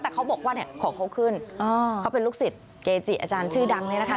แต่เขาบอกว่าเนี่ยของเขาขึ้นเขาเป็นลูกศิษย์เกจิอาจารย์ชื่อดังเนี่ยนะคะ